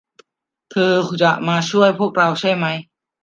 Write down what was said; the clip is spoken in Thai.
เธอจะมาช่วยพวกเราใช่ไหม